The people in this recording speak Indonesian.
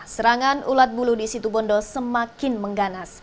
serangan ulat bulu di situ bondo semakin mengganas